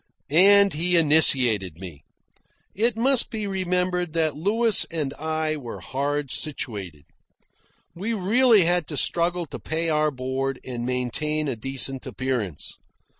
And he initiated me. It must be remembered that Louis and I were hard situated. We really had to struggle to pay our board and maintain a decent appearance.